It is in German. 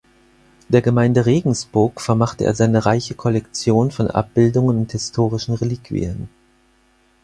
Der Gemeinde Regensberg vermachte er seine reiche Kollektion von Abbildungen und historischen Reliquien.